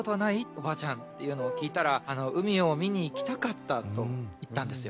おばあちゃん」っていうのを聞いたら「海を見に行きたかった」と言ったんですよ。